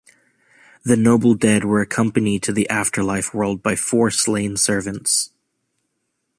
The noble dead were accompanied to the afterlife world by four slain servants.